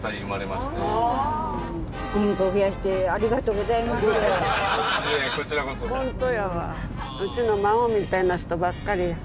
うちの孫みたいな人ばっかりや。